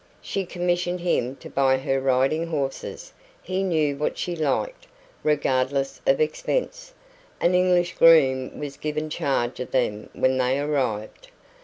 She commissioned him to buy her riding horses he "knew what she liked" regardless of expense; an English groom was given charge of them when they arrived.